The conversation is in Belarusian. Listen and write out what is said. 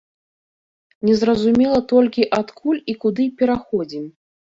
Незразумела толькі, адкуль і куды пераходзім.